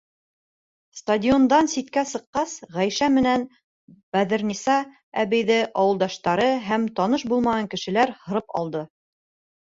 Стадиондан ситкә сыҡҡас, Ғәйшә менән Бәҙерниса әбейҙе ауылдаштары һәм таныш булмаған кешеләр һырып алды.